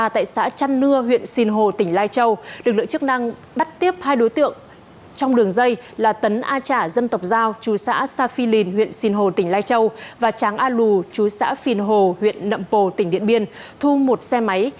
tỉnh lai châu lực lượng chức năng bắt tiếp hai đối tượng trong đường dây là tấn a trả dân tộc giao chú xã sa phi lìn huyện sinh hồ tỉnh lai châu và tráng a lù chú xã phi hồ huyện nậm hồ tỉnh điện biên thu một xe máy